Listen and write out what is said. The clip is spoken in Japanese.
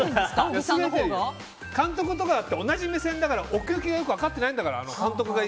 監督とかだって同じ目線だから奥行きがよく分かってないんだから。